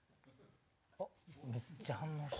めっちゃ反応してる。